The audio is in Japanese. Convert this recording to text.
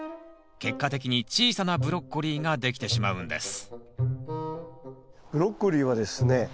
結果的に小さなブロッコリーができてしまうんですブロッコリーはですね